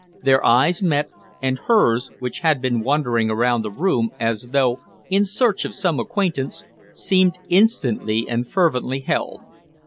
Their eyes met, and hers, which had been wandering around the room as though in search of some acquaintance, seemed instantly and fervently held.